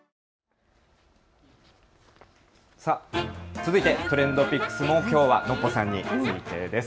続いてＴｒｅｎｄＰｉｃｋｓもきょうはノッポさんについてです。